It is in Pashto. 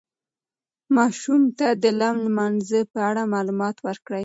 ماشومانو ته د لم لمانځه په اړه معلومات ورکړئ.